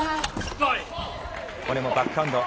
これもバックハンド。